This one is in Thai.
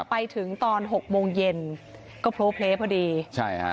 ไปถึงตอนหกโมงเย็นก็โพลเพลพอดีใช่ฮะ